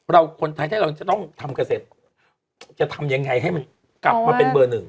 คนไทยถ้าเราจะต้องทำเกษตรจะทำยังไงให้มันกลับมาเป็นเบอร์หนึ่ง